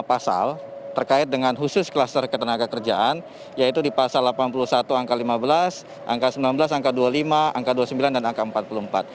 pasal terkait dengan khusus kluster ketenaga kerjaan yaitu di pasal delapan puluh satu angka lima belas angka sembilan belas angka dua puluh lima angka dua puluh sembilan dan angka empat puluh empat